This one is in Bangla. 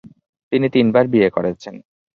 তিনি তিনবার বিয়ে করেছেন।